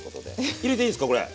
入れていいんすかこれ。